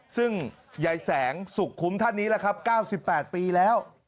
ซึ่งยายแสงสุขคุ้มท่านนี้แหละครับ๙๘ปีแล้ว